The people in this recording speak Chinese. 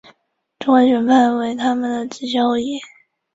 丘陵老鹳草为牻牛儿苗科老鹳草属的植物。